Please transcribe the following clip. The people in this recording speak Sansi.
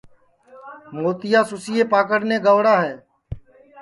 موتِیا سُسئے پکڑنے گئوڑا ہے